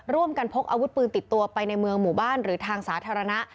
พกอาวุธปืนติดตัวไปในเมืองหมู่บ้านหรือทางสาธารณะ